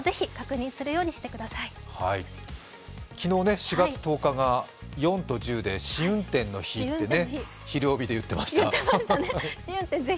昨日、４月１０日が４と１０で試運転の日と「ひるおび！」で言ってました。